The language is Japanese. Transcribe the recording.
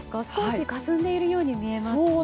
少しかすんでいるように見えますね。